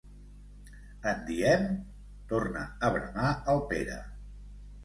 En diem?! —torna a bramar el Pere—.